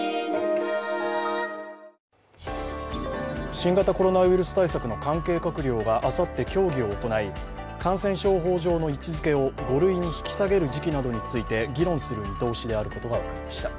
新型コロナウイルス対策の関係閣僚があさって協議を行い感染症法上の位置づけを５類に引き下げる時期などについて議論する見通しであることが分かりました。